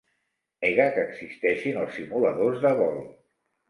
Nega que existeixin els simuladors de vol.